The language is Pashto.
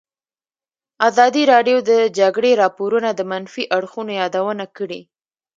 ازادي راډیو د د جګړې راپورونه د منفي اړخونو یادونه کړې.